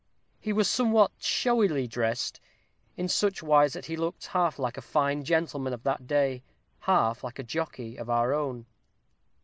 He was somewhat showily dressed, in such wise that he looked half like a fine gentleman of that day, half like a jockey of our own.